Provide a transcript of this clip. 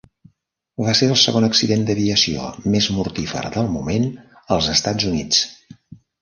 Va ser el segon accident d'aviació més mortífer del moment als Estat Units.